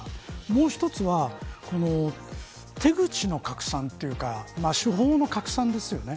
もう一つは手口の拡散というか手法の拡散ですよね。